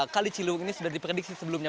kali ciliwung ini sudah diprediksi sebelumnya